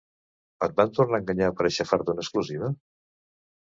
Et van tornar a enganyar per aixafar-te una exclusiva?